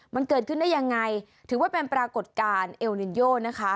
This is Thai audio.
มันเกิดขึ้นได้ยังไงถือว่าเป็นปรากฏการณ์เอลลินโยนะคะ